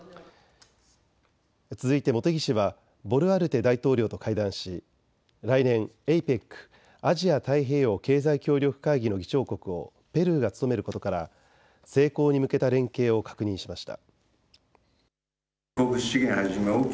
続いて茂木氏はボルアルテ大統領と会談し来年、ＡＰＥＣ・アジア太平洋経済協力会議の議長国をペルーが務めることから成功に向けた連携を確認しました。